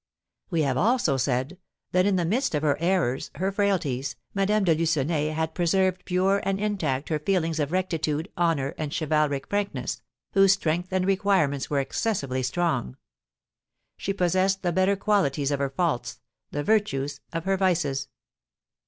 We have also said that, in the midst of her errors, her frailties, Madame de Lucenay had preserved pure and intact her feelings of rectitude, honour, and chivalric frankness, whose strength and requirements were excessively strong. She possessed the better qualities of her faults, the virtues of her vices.